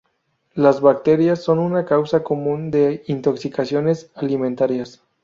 Las bacterias son una causa común de intoxicaciones alimentarias.